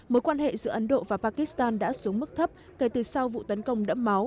mối quan hệ giữa ấn độ và pakistan đã xuống mức thấp kể từ sau vụ tấn công đẫm máu